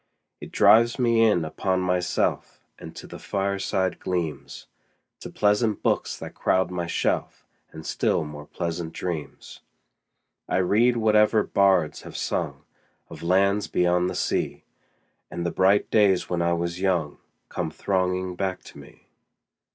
It drives me in upon myself 5 And to the fireside gleams, To pleasant books that crowd my shelf, And still more pleasant dreams. I read whatever bards have sung Of lands beyond the sea, 10 And the bright days when I was young Come thronging back to me.